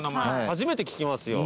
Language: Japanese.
初めて聞きますよ。